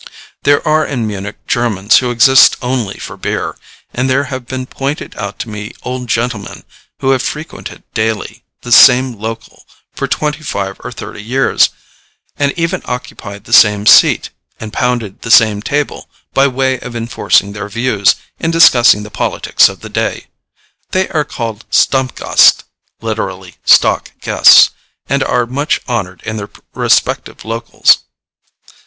There are in Munich Germans who exist only for beer, and there have been pointed out to me old gentlemen who have frequented daily the same local for twenty five or thirty years, and even occupied the same seat, and pounded the same table, by way of enforcing their views, in discussing the politics of the day. They are called Stammgäste (literally stock guests), and are much honored in their respective locals.